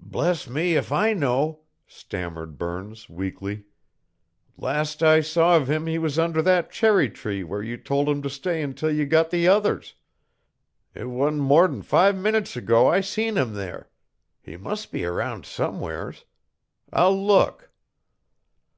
"Bless me if I know," stammered Burns weakly. "Last I saw of him he was under that cherry tree where you told him to stay until you got the others. It wa'n't more'n five minutes ago I seen him there. He must be around somewheres. I'll look."